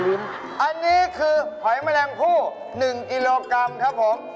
อันนี้คือหอยแมลงผู้๑กิโลกรัมครับผม